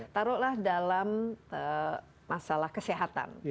taruhlah dalam masalah kesehatan